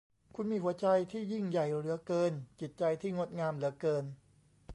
คุณมีหัวใจที่ยิ่งใหญ่เหลือเกิน จิตใจที่งดงามเหลือเกิน